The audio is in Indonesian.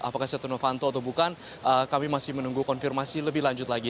apakah setia novanto atau bukan kami masih menunggu konfirmasi lebih lanjut lagi